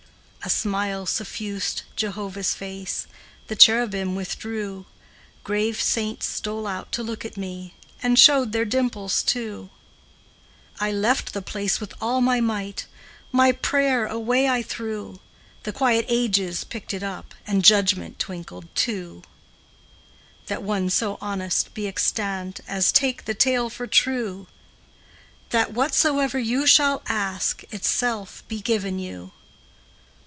A smile suffused Jehovah's face; The cherubim withdrew; Grave saints stole out to look at me, And showed their dimples, too. I left the place with all my might, My prayer away I threw; The quiet ages picked it up, And Judgment twinkled, too, That one so honest be extant As take the tale for true That "Whatsoever you shall ask, Itself be given you."